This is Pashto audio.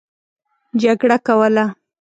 جګړه کوله.